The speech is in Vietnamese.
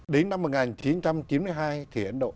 đến năm một nghìn chín trăm chín mươi hai thì ấn độ